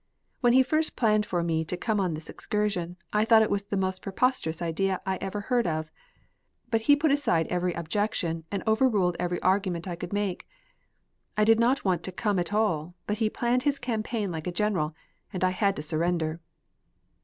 When he first planned for me to come on this excursion, I thought it was the most preposterous idea I ever heard of. But he put aside every objection, and overruled every argument I could make. I did not want to come at all, but he planned his campaign like a general, and I had to surrender."